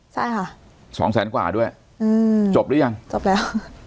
ใช่ค่ะสองแสนกว่าด้วยอืมจบหรือยังจบแล้ว